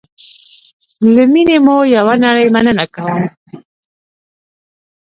له میني مو یوه نړی مننه کوم